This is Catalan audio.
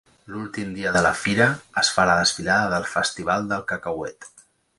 L'últim dia de la fira, es fa la desfilada del festival del cacauet.